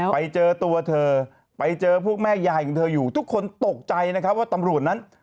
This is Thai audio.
ไปเจอตัวเธอไปเจอพวกแม่ยายของเธออยู่ทุกคนตกใจนะครับว่าตำรวจนั้น